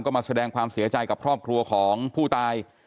ก็มาแสดงความเสียใจกับครอบครัวของผู้ตาย